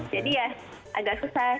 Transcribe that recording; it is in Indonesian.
jadi ya agak susah